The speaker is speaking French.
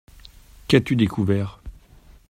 Qu’as-tu découvert ?